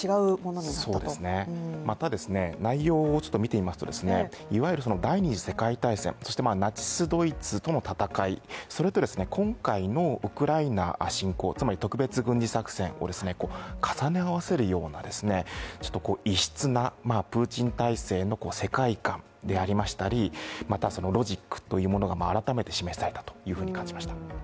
また、内容を見てみますと、第２次世界大戦そしてナチス・ドイツとの戦い、それと今回のウクライナ侵攻、つまり特別軍事作戦を重ね合わせるような異質なプーチン体制の世界観でありましたりロジックというものが改めて示されたというふうに感じました。